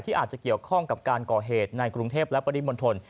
อาจจะเกี่ยวข้องกับการก่อเหตุในกรุงเทพและปริมณฑล